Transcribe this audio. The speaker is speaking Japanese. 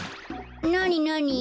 なになに？